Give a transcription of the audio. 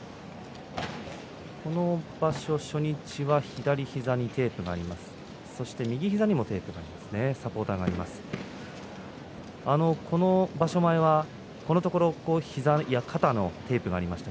この場所、初日は左膝にテープがあります。